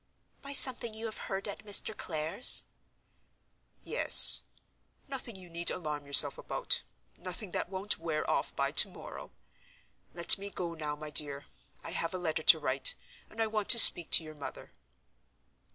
"By something you have heard at Mr. Clare's?" "Yes—nothing you need alarm yourself about; nothing that won't wear off by to morrow. Let me go now, my dear; I have a letter to write; and I want to speak to your mother."